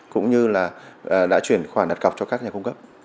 cũng như là đã chuyển khoản đặt cọc cho các nhà cung cấp